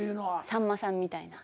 さんまさんみたいな。